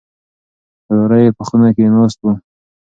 وراره يې په خونه کې ناست و.